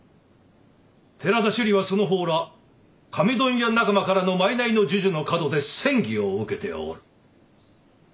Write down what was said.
寺田修理はその方ら紙問屋仲間からの賄の授受のかどで詮議を受けておる。